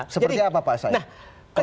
seperti apa pak sayang